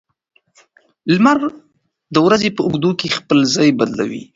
لمر د ورځې په اوږدو کې خپل ځای بدلوي.